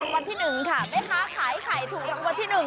รางวัลที่หนึ่งค่ะแม่ค้าขายไข่ถูกรางวัลที่หนึ่ง